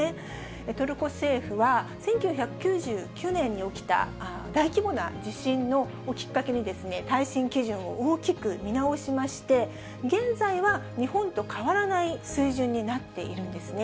トルコ政府は、１９９９年に起きた大規模な地震をきっかけに、耐震基準を大きく見直しまして、現在は日本と変わらない水準になっているんですね。